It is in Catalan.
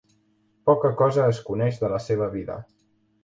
Poca cosa es coneix de la seva vida.